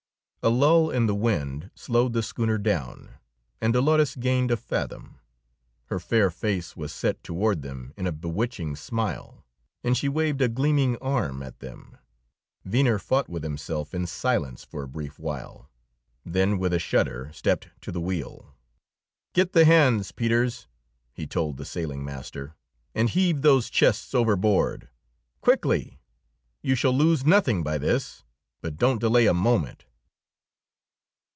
A lull in the wind slowed the schooner down, and Dolores gained a fathom. Her fair face was set toward them in a bewitching smile, and she waved a gleaming arm at them. Venner fought with himself in silence for a brief while, then with a shudder stepped to the wheel. "Get the hands, Peters," he told the sailing master, "and heave those chests overboard. Quickly! You shall lose nothing by this, but don't delay a moment!"